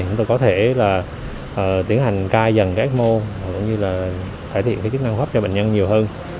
chúng tôi có thể là tiến hành ca dần các mô cũng như là cải thiện cái chức năng pháp cho bệnh nhân nhiều hơn